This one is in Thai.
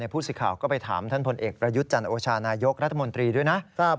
ผู้สื่อข่าวก็ไปถามท่านพลเอกประยุทธ์จันโอชานายกรัฐมนตรีด้วยนะ